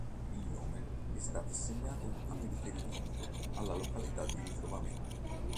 Il nome è stato assegnato in riferimento alla località di ritrovamento.